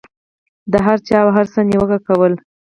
د هر چا او هر څه نیوکه کول.